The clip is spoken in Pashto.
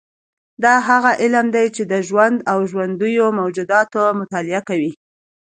دا هغه علم دی چې د ژوند او ژوندیو موجوداتو مطالعه کوي